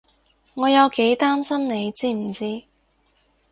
我有幾擔心你知唔知？